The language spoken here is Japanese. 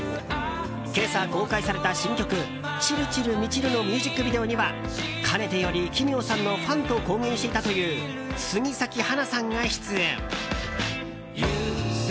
今朝公開された新曲「散る散る満ちる」のミュージックビデオにはかねてより奇妙さんのファンと公言していたという杉咲花さんが出演。